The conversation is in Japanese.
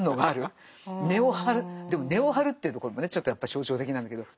でも根を張るというところもねちょっとやっぱり象徴的なんだけど。